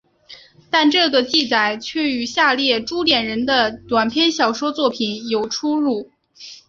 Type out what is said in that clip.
但这个记载却与下列朱点人的短篇小说作品有出入。